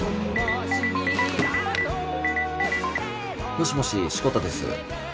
もしもし志子田です。